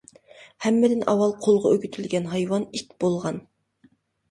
ھەممىدىن ئاۋۋال قولغا ئۆگىتىلگەن ھايۋان — ئىت بولغان.